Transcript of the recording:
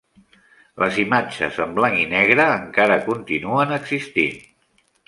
Les imatges en blanc i negre encara continuen existint.